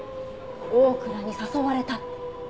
大倉に誘われたって。